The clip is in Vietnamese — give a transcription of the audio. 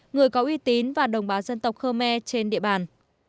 người có uy tín và đồng bào dân tộc khmer trên địa bàn